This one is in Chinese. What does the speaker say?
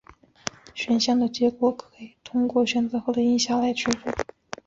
选项的结果可以透过选择后的音效来确认。